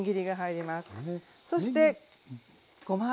そしてごま油。